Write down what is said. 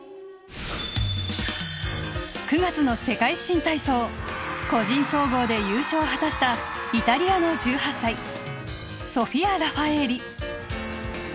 ９月の世界新体操個人総合で優勝を果たしたイタリアの１８歳ソフィア・ラファエーリ。